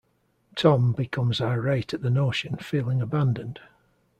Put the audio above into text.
Tom becomes irate at the notion, feeling abandoned.